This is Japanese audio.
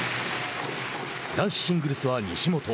男子シングルスは西本。